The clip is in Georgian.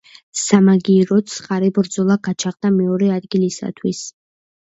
სამაგიეროდ ცხარე ბრძოლა გაჩაღდა მეორე ადგილისათვის.